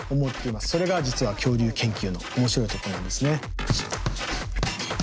それが実は恐竜研究の面白いところなんですね。